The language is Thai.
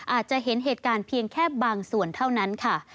อาจจะเห็นเหตุการณ์เพียงแค่บางส่วนเท่านั้นค่ะ